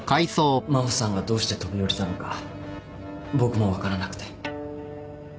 真帆さんがどうして飛び降りたのか僕も分からなくて